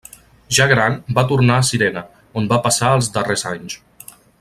Ja gran, va tornar a Cirene, on va passar els darrers anys.